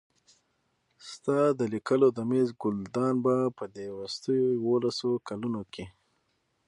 ستا د لیکلو د مېز ګلدان به په دې وروستیو یوولسو کلونو کې.